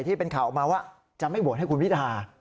ที่เป็นข่าวออกมาว่าจะไม่โหวตให้คุณพิธา